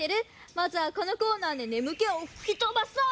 まずはこのコーナーでねむけをふきとばそう！